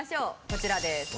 こちらです。